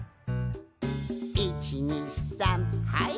「１２３はい」